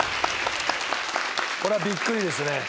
これはびっくりですね。